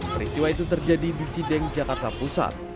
peristiwa itu terjadi di cideng jakarta pusat